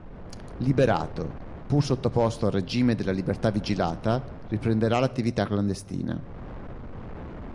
Liberato, pur sottoposto al regime della libertà vigilata riprenderà l'attività clandestina.